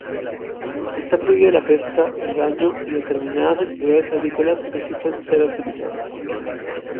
Está prohibida la pesca, el baño y determinadas actividades agrícolas precisan ser autorizadas.